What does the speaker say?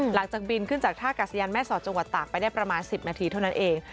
หลังจากบินขึ้นจากท่ากาศยานแม่สอดจังหวัดตากไปได้ประมาณ๑๐นาทีเท่านั้นเอง